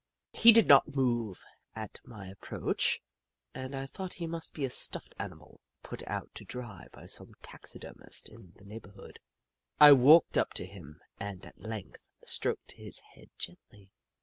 He did not move at my approach, and I thought he must be a stuffed animal, put out to dry by some taxidermist in the neighbourhood. I walked up to him and, at length, stroked his head gently.